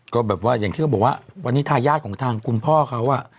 ก็แบบที่เขาบอกว่าวันนี้ทายาทของทางคุณพ่อเขา